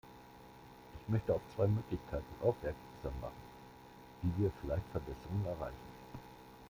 Ich möchte auf zwei Möglichkeiten aufmerksam machen, wie wir vielleicht Verbesserungen erreichen.